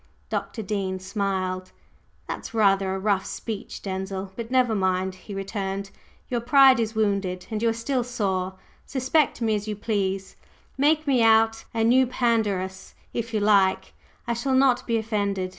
Dr. Dean smiled. "That's rather a rough speech, Denzil! But never mind!" he returned. "Your pride is wounded, and you are still sore. Suspect me as you please, make me out a new Pandarus, if you like I shall not be offended.